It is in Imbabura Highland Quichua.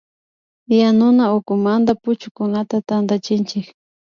Yanuna ukumanta puchukunata tantachinchik